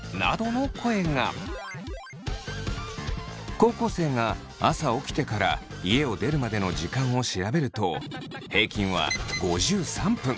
高校生が朝起きてから家を出るまでの時間を調べると平均は５３分。